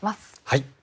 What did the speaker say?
はい。